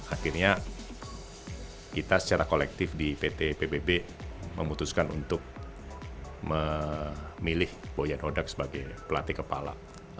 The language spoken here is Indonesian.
akhirnya kita secara kolektif di pt pbb memutuskan untuk memilih boyan hodak sebagai pelatih kepala